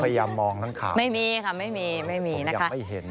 ผมพยายามมองทั้งขาวผมยังไม่เห็นเลยไม่มีนะคะ